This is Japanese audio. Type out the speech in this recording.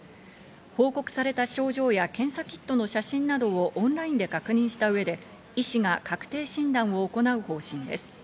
報告された症状や検査キットの写真などをオンラインで確認した上で医師が確定診断を行う方針です。